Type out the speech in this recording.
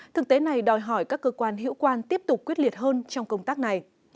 thực tế này đòi hỏi các cơ quan hiệu quan tiếp tục quyết liệt hơn trong công tác này